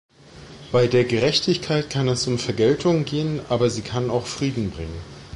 Bei der Gerechtigkeit kann es um Vergeltung gehen, aber sie kann auch Frieden bringen.